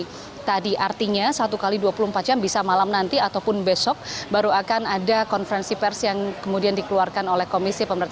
jadi tadi artinya satu x dua puluh empat jam bisa malam nanti ataupun besok baru akan ada konferensi pers yang kemudian dikeluarkan oleh komisi pemerintah